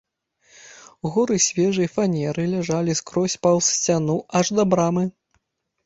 Горы свежай фанеры ляжалі скрозь паўз сцяну аж да брамы.